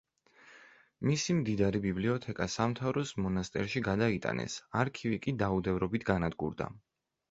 მისი მდიდარი ბიბლიოთეკა სამთავროს მონასტერში გადაიტანეს, არქივი კი დაუდევრობით განადგურდა.